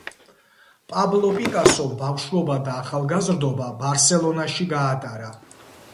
პაბლო პიკასომ ბავშვობა და ახალგაზრდობა ბარსელონაში გაატარა.